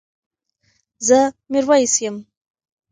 زه ميرويس يم